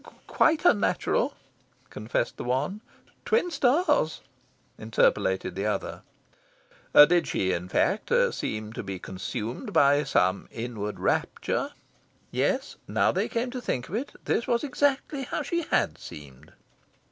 "Quite unnatural," confessed the one. "Twin stars," interpolated the other. "Did she, in fact, seem to be consumed by some inward rapture?" Yes, now they came to think of it, this was exactly how she HAD seemed.